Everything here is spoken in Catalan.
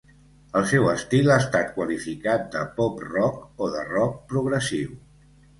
El seu estil ha estat qualificat de pop-rock o de rock progressiu.